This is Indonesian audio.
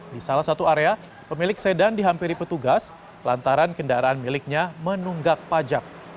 di salah satu area pemilik sedan dihampiri petugas lantaran kendaraan miliknya menunggak pajak